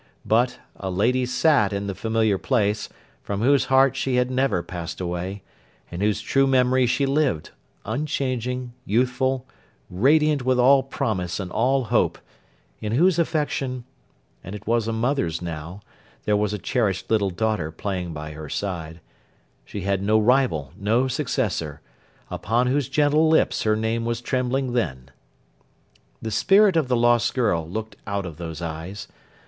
But, a lady sat in the familiar place, from whose heart she had never passed away; in whose true memory she lived, unchanging, youthful, radiant with all promise and all hope; in whose affection—and it was a mother's now, there was a cherished little daughter playing by her side—she had no rival, no successor; upon whose gentle lips her name was trembling then. The spirit of the lost girl looked out of those eyes.